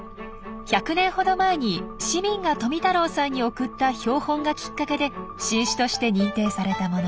１００年ほど前に市民が富太郎さんに送った標本がきっかけで新種として認定されたもの。